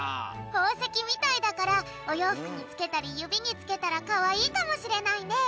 ほうせきみたいだからおようふくにつけたりゆびにつけたらかわいいかもしれないね。